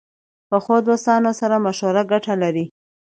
پخو دوستانو سره مشوره ګټه لري